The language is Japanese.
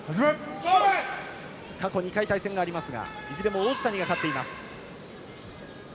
過去２回対戦がありますがいずれも王子谷が勝っています。